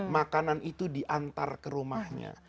makanan itu diantar ke rumahnya